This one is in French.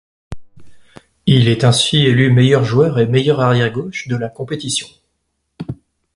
Il est ainsi élu meilleur joueur et meilleur arrière gauche de la compétition.